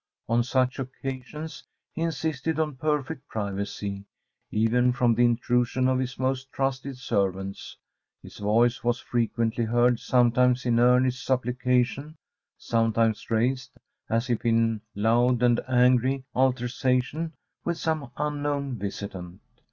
On such occasions he insisted on perfect privacy, even from the intrusion of his most trusted servants; his voice was frequently heard, sometimes in earnest supplication, sometimes raised, as if in loud and angry altercation with some unknown visitant.